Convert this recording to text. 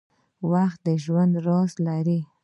• وخت د ژوند راز لري.